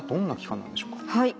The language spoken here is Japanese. はい。